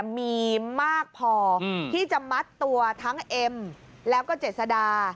มีมากพอที่จะมัดตัวทั้งเอ็มแล้วก็เจษดา